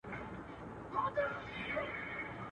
نن له سیوري سره ځمه خپل ګامونه ښخومه.